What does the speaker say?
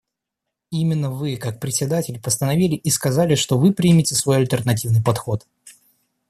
И именно Вы, как Председатель, постановили и сказали, что Вы примете свой альтернативный подход.